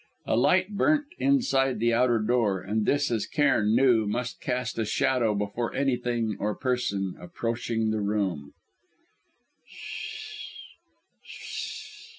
A light burnt inside the outer door, and this, as Cairn knew, must cast a shadow before any thing or person approaching the room.